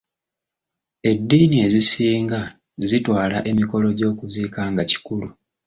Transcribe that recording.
Eddiini ezisinga zitwala emikolo gy'okuziika nga kikulu.